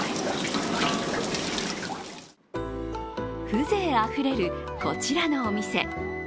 風情あふれる、こちらのお店。